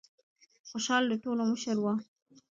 خوشال د ټولو مشر و.